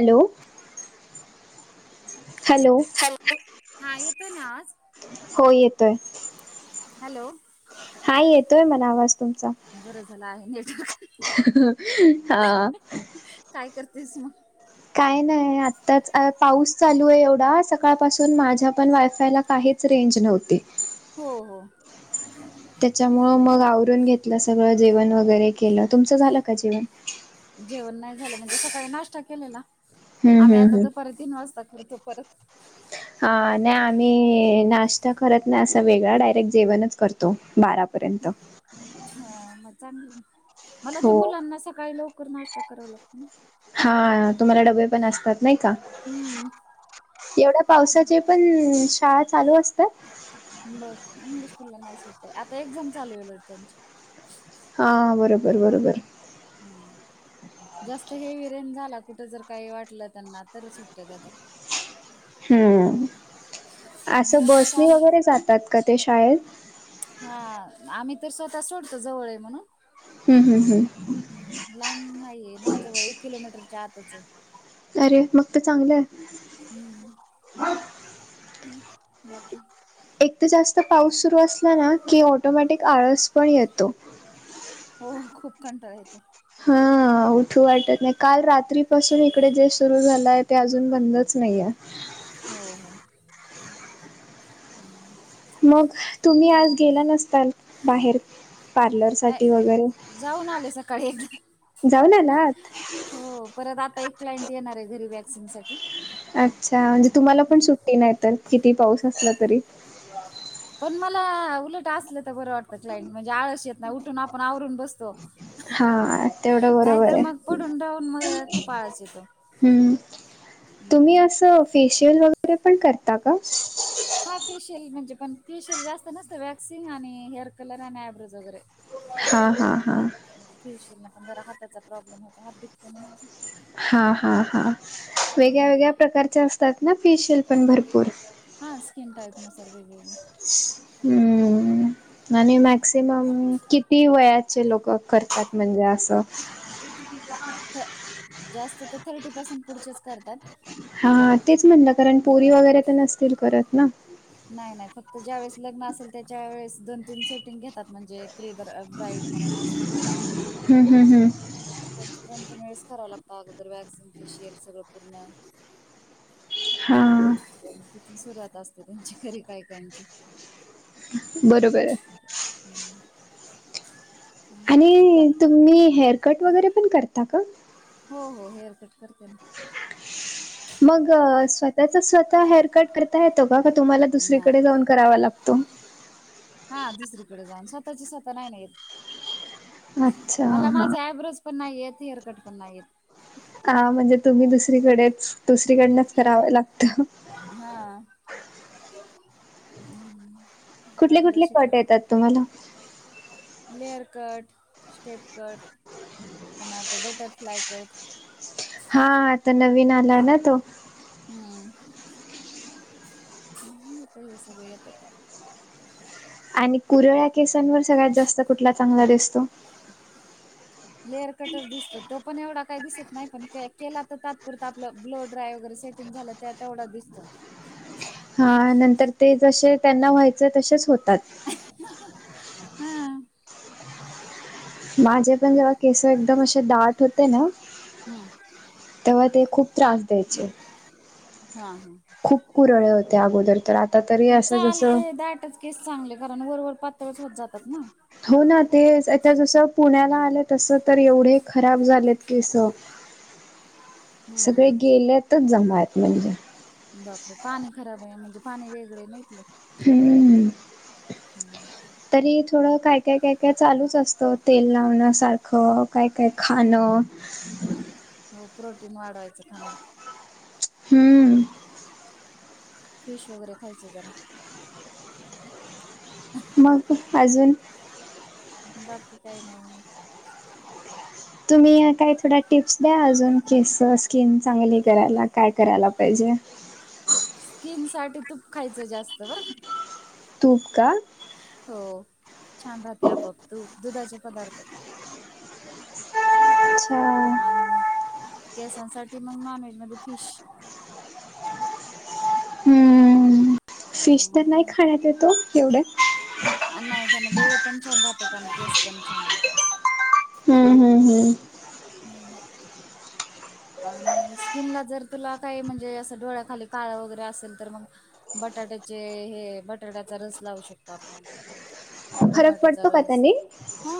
Hello, hello hello, हा येतोय ना आवाज? हो येतोय हॅलो हाय येतोय मला आवाज तुमचा बरं झालं आहे नेटवर्क हां काय करतीस मग? काय नाहीय, आत्ताच पाऊस चालू हाय एवढा सकाळपासून माझ्या पण वायफायला काहेच रेंज नव्हते हो हो त्याच्यामुळं मग आवरून घेतलं सगळं जेवण वगैरे केलं, तुमचं झालं का जेवण? जेवण नाही झालं म्हणजे सकाळी नाश्ता केलेला, हम्म आम्ही हम्म आता हम्म दुपारीच तीन वाजता करतो परत अ नाही आम्ही नाश्ता करत नाही असा वेगळा, डायरेक्ट जेवणच करतो बारापर्यंत. ह मग चागलं ना, मला हो ते मुलांना सकाळी लवकर नाश्ता कराव लागतो ना हा तुम्हाला डबे पण असतात नाही का, हम्म एवढ्यात पाऊसाचे पण शाळा चालू असते? बर इंग्लिश स्कूलला नाही सुट्या, आता एक्झाम चालू होईल त्यांची हां बरोबर, बरोबर हम् जास्त हेवी रेन झाला, कुठे जर काही वाटलं त्यांना तर सुट्ट्या देत्यात हम्म, आणि असं आता बसनी चाल वगैरे जातात का ते शाळेत? हा, आम्ही तर स्वतः ता सोडतो जवळ हेय म्हणून हम् हम्मं लांब नाहीये ना जवळ, एक किलोमीटरच्या आतच हेय अरे मग तर चांगलय हम् हम बाकी एक तर जास्त पाऊस सुरू असला ना, की ऑटोमॅटिक आळस पण येतो. हो खूप कंटाळा येतो. हां उठू वाटत नाही, काल रात्री पासून इकडे जे सुरू झालंय ते अजून बंदच नाहीय. हो हो हम्म मग, तुम्ही आज गेला नसताल बाहेर पार्लर साठी वगैरे, नाही जाऊन आले सकाळी एकदा जाऊन आलात? हो परत आता एक क्लायंट येणार हेय घरी वॅक्सिन साठी अच्छा, म्हणजे तुम्हाला पण सुट्टी नाही तर किती पाऊस असला तरी. पण मला उलट असलं तर बरं वाटतं क्लाइंट म्हणजे आळस येत नाही उठून आपण आवरून बसतो हा तेवढं बरोबर नाहीतर मग पडून राहून मग हेय खूप आळस येतो ह्, तुम्ही हम्म. असं फेशियल वगैरे पण करता का? हा फेशियल म्हणजे, पण फेशियल जास्त नसतं वॅक्सिंग आणि हेअर कलर आणि आयब्रोज वगैरे. हा, हा, हा हा फेशियलन पण जरा हाताचा प्रॉब्लेम होतो, हात दुखतोय माझा हा, हा, हा वेगळ्या- वेगळ्या प्रकारच्या असतात ना, फेशियल पण भरपूर, हा, स्ककीन टाइप नुसार वेगळे -वेगळे. हम्म, आणि, मॅक्सिमम किती वयाचे लोक करतात, म्हणजे असं. जास्त तर, थर्टी पासून पुढचेच करतात. हा, तेच म्हणलं, कारण पोरी वगैरे तर नसतील करत ना. नाही -नाही फक्त ज्या वेळेस लग्न असेल त्याच्या वेळेस, दोन- तीन सेटिंग घेतात म्हणजे, प्री, ब ब्राईड म्हणून असत ना. ह, ह, ह, मग, त्यांच दोन- तीन वेळेस करावं लागतं, अगोदर व्हॅक्सिंग फेशियल सगळं पूर्ण, हा, तिथून सुरुवात असते, त्यांची खरी काय- काय काहींची, बरोबर, [unintelligible] तू का आणि, तुम्ही हेअरकट वगैरे पण करता का? हो, हो हेअरकट करते ना, मग, स्वतःचा स्वतः हेअरकट कर स्वतः येतो का, का तुम्हाला नाही दुसरीकडे जाऊन, करावा लागतो? हा, दुसरीकडे जाऊन. स्वतःच स्वतः नाही ना येत अच्छा मला, हा. माझ्या आय ब्रोज पण नाही येत, हेअरकट पण नाही येत. का, म्हणजे तुम्ही दुसरीकडेच, दुसरीकडनंच करावं लागतं. हा, कुठले पार्लर कुठले शिकल, कट येतात तुम्हाला? लेअर कट, स्टेप कट, पुन्हा तो बटरफ्लय कट. हा, आता नवीन आला ना तो. हम्म, म्हणून इकडे, सगळे येतात. आणि, कुरळ्या केसांवर, सगळ्यात जास्त कुठला चांगला दिसतो? लेअर कटच दिसत, तो पण एवढा काही दिसत नाही. पण केला तर तात्पुरत आपलं, ब्लो ड्राय वगैरे सेट सेटींग झालं, त्या तेवढा दिसतो. हा, नंतर ते जसे त्यांना व्हायचं तसेच होतात. हा, माझे पण, जेव्हा केस एकदम असे, दाट होते ना. हम्म, तेव्हा ते, खूप त्रास द्यायचे. हा, हा, खूप कुरळे होते, अगोदर तर आ पण चालतय, दाटच केस चांगले, कारण वरवरर पातळच होत जातात ना. हो, ना ते च आता जसं पुण्याला आले तसं, तर एवढे खराब झालेत केस. सगळे, हम्म गेल्यातच जमाआहेत म्हणजे, बापरे, पाणी खराब आहे, म्हणजे पाणी वेगळे आहे ना इथंल. हम्म, तरी, थोडं काय -काय -काय- काय चालूच असतं. तेल लावण्यासारखं काय -काय खाणं. [unintelligible] हो, प्रोटीन वाढवायचं खाण्यातून, हम्म. फिश वगैरे खायच जरा. मग अजून? बाकी काही नाही मग. तुम्ही काही थोड्या टिप्स द्या अजून, केस स्किन चांगली करायला काय करायला पाहिजे? स्किन साठी तूप खायचं जास्त बरं का. तुप का? हो छान राहते, आपोआप तूप, दुधाचे पदार्थ. अच्छा. [inaudible] आणि केसांसाठी मग नॉन व्हेज मध्ये फिश हम्म, फिश तन नाही आणि खाण्यात येतो एवढं, अ नाही त्यांना डोळे पण छान राहतात, त्यांना केस पण छान राहतात. हम्म हम्म हम्म.... हम्म [inaudible] आणि स्किनला जर तुला काही म्हणजे असं डोळ्याखाली काळ वगैरे असेल तर मग बटाट्याचे हे बटाट्याचा रस लावू शकतो आपण, फरक टोमॅटोचा पडतो का रस त्याने? हा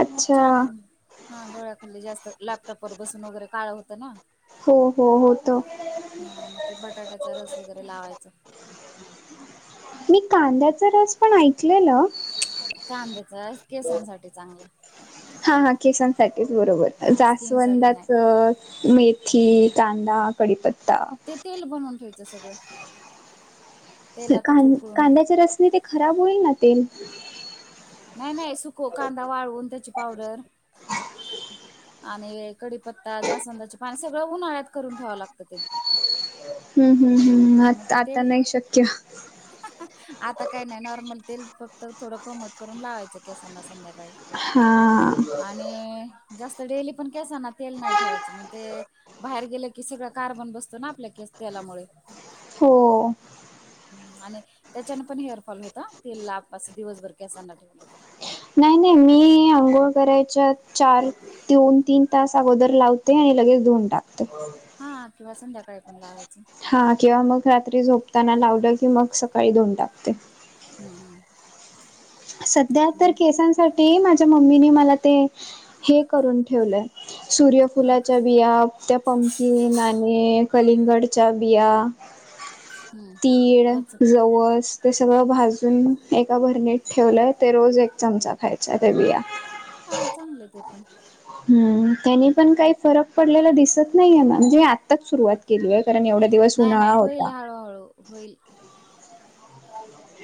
अच्छा छान, हा डोळ्याखाली जास्त लॅपटॉपवर बसून वगैरे काळ होतं ना. हो हो, होत. हा मग ते बटाट्याचा रस वगैरे लावायचा. मी कांद्याचा रस पण ऐकलेलं, कांद्याच केसांसाठी चांगलं. हा हा केसांसाठीच बरोबर स्किन साठी जास्वंदाच, नाही मेथी, कांदा कडीपत्ता ते तेल बनवून घ्यांच सगळं तेलातच कांदे उकळून -कांद्याच्या रसने ते खराब होईल ना तेल? नाही नाही सुको, कांदा वाळवून त्याची पावडर आणि कडीपत्ता, जास्वंदची पान, सगळं उन्हाळ्यात करून ठेवावं लागतं ते. हम्म हम्म हम्म, आ मग ते आता तेल नाही शक्य. आता काही नाही नॉर्मल तेल फक्त थोडं कोमट करून लावायचं केसांना संध्याकाळी. हा... आणि, जास्त डेली पण केसना तेल नाही ठेवायचं मग ते बाहेर गेलं की सगळं कार्बन बसतं ना आपल्या केस तेलामुळे हो... ह आणि त्याच्यान पण हेअरफॉल होत ह, तेला अस दिवसभर क असांना ठेवलं तर नाही नाही मी आंघोळ करायच्या चार दोन, तीन, तास अगोदर लावते आणि लगेच धुऊन टाकते. हा किंवा संध्याकाळी पण लावायचं. हा किंवा मग रात्री झोपताना लावलं की मग सकाळी धुवून टाकते. हम... सध्या तर केसांसाठी माझ्या मम्मीने मला ते हे करून ठेवलंय, का सूर्यफुलाच्या बिया त्या पंकीन आणि कलिंगडच्या बिया, हम्म, तीळ, त्याच जवस ते सगळं भाजून एका भरणीत ठेवलंय, ते रोज एक चमचा खायच्या त्या बिया. हा चांगलं ते पण हम्म, त्यानी पण काही फरक पडलेला दिसत नाहीयेना, म्हणजे आत्ताच सुरुवात केलीय कारण एवढं नाही नाही होईल हळूहळू होईल.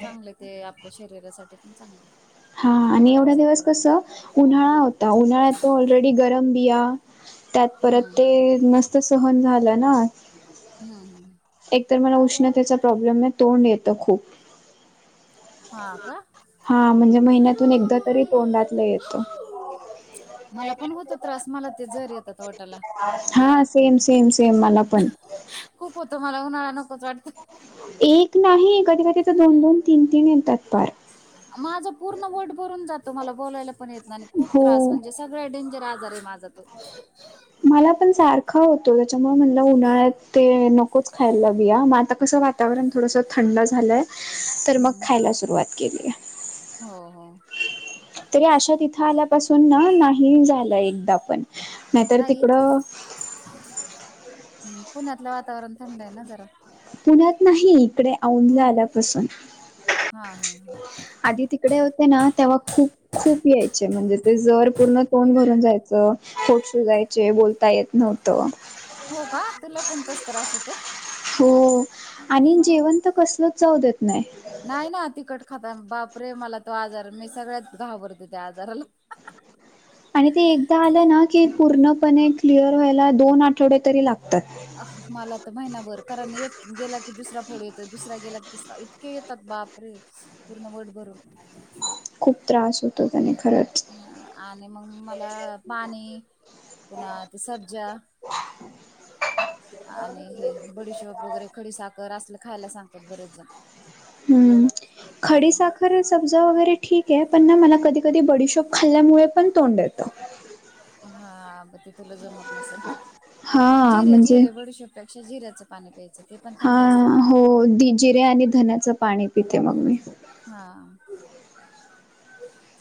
चांगले ते आपल्या शरीरासाठी पण चांगलय. हा आणि एवढ्या दिवस कसं उन्हाळा होता,, उन्हाळायात ऑलरेडी गरम बिया, त्यात परत हम्म ते नस ते सहन झालं ना हा हम्म. एकतर मला उष्णतेचा प्रॉब्लेम आहे तोंड येतं खूप हां का हां म्हणजे महिन्यातून एकदा तरी तोंडातलं येतं. मला पण होतो त्रास मला ते ज री येतात वठाला हां उन्हाळ्यात सेम सेम सेम मला पण. खूप होतं मला उन्हाळा नकोच वाटतं एक नाही, कधी कधी तर दोन- दोन, तीन- तीन येतात पार- माझं पूर्ण वट भरून जातो मला बोलायला पण येत नाही ना आणि खूप त्रास हो. म्हणजे सगळ्यात डेंजर आजार आहे माझा तो. मला पण सारखा होतो, त्याच्यामुळे म्हणलं उन्हाळ्यात ते नकोच खायला बिया, म आता कसं वा- वातावरण थोडंसं थंड झालंय, तर मग हम्म खायला सुरुवात केलीय. हो हो.. तरी आशा तिथं आल्यापासून ना नाही झालं एकदा पण नाहीतर नाही,, इ तिकडं हम्म पुण्यातलं वातावरण थंड आहे ना जरा पुण्यात नाही, इकडे औंधला हम्म आल्यापासून- हा हा हा... आधी तिकडे होते ना, तेव्हा खुप खूप यायचे म्हणजे ते जर पूर्ण तोंड भरून जायचं होट सुजायचे, बोलता येत नव्ह हो का, तुला पण तस त्रास होतय? हो, आणि जेवण तर कसलच चाऊ देत नाही. नाही ना तिकट खाता, बाप रे! मला तो आजार मी सगळ्यात घाबरते त्या आजाराला आणि ते एकदा आलं ना, की पूर्णपणे क्लिअर व्हायला दोन आठवडे तरी लागतात. अ मला तर महिनाभर, कारण एक गेला की दुसरा फोड येतो दुसरा गेला की तिसरा इत इतके येतात बापरे! पूर्ण व्हठ भरून खूप त्रास होतो त्याने खरंच हं, आणि मग मला पाणी पुना ते सब्जा आणि हे बडीशोप वगैरे खडी साखर, असंल खायला सांगतात बरेच जण. हम्म खडीसाखरच सब्जा वगैरे ठीक आहे, पण ना मला कधी कधी बडीशोप खाल्ल्यामुळे पण तोंड येतं. हा, म ते तुला जमत नसल हा जिरे म्हणजे जिरे बडिशोप पेक्षा जिऱ्याच पाणी प्यायचं, ते पण हा थंड असतं ना- हो दि जिरे आणि धण्याचं पाणी पिते मग मी. हा..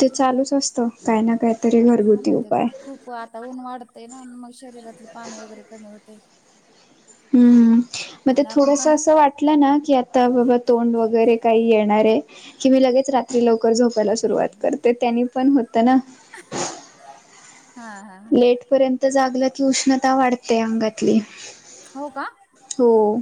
ते चालूच असतं काही ना काहीतरी हा घरगुती ना त्यात उपाय खूप ते आता ऊन वाढतंय ना, मग शरीरातलं पाणी वगैरे कमी होतय हम्म, मग ते आणि आपण थोडसं पण असं वाट वाटलंना की आता तोंड वगैरे काही येणारये, कि मी लगेच रात कि लवकर झोपायला सुरुवात करते त्यांनी पण होतं ना. [unintelligible] लेटपर्यंत जागलं की उष्णता वाढते अंगातली. हो का? हो.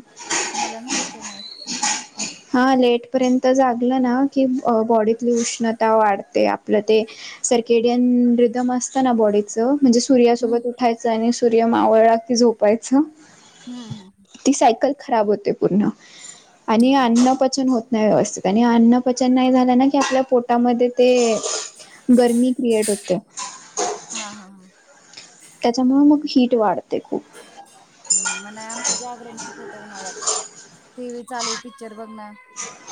मला नव्हतं ते माहित. [inaudible] हा लेटपर्यंत जागलं ना, की बॉडीतली उष्णता वाढते आपलं ते सर्केडियन रिदम असतं ना बॉडी चं म्हणजे सूर्यासोबत हम्म उठायचं आणि सूर्य मावळला कि झोपायचं. हा हा. ती सायकल खराब होते पुर्ण. आणि हम्म अन्न पचन होत नाही व्यवस्थित आणि अन्न पचन नाही झालं ना, की आपल्या पो टामध्ये ते गरमी क्रिएट होते. हा हा हा. त्याच्यामुळे मग हीट वाढते खूप. म ना आमचं जागरण खूप होतं उन्हाळ्यात टी व्ही चालू पिक्चर बघणं. [inaudible]